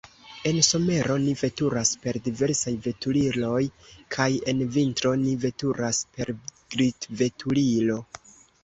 En somero ni veturas per diversaj veturiloj, kaj en vintro ni veturas per glitveturilo.